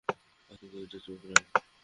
আর তুই দরজায় চোখ রাখ।